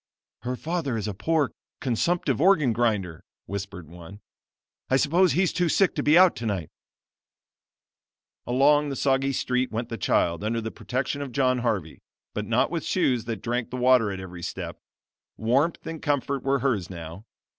"Her father is a poor, consumptive organ grinder," whispered one. "I suppose he's too sick to be out tonight." Along the soggy street went the child, under the protection of John Harvey, but not with shoes that drank the water at every step. Warmth and comfort were hers now.